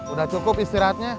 udah cukup istirahatnya